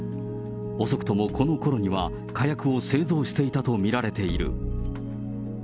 遅くともこのころには火薬を製造していたと見られている。